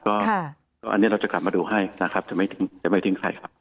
ก็อันนี้เราจะกลับมาดูให้นะครับจะไม่ทิ้งใครครับ